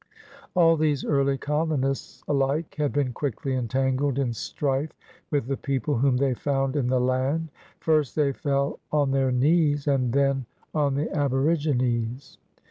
All these early colonists alike had been quickly entangled in strife with the people whom they found in the land. First they fell on their knees. And then on the Aborigines.